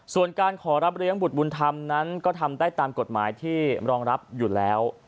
ส่วนการขอรับเลี้ยงบุตรบุญธรรมนั้นก็ทำได้ตามกฎหมายที่รองรับอยู่แล้ว